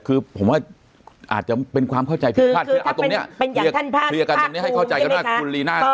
คือผมว่าอาจจะเป็นความเข้าใจผิดแพลตเลยคืออัะตรงเนี่ยคือการตรงเนี่ยให้เข้าใจใช่ไหมครับคุณลิน่า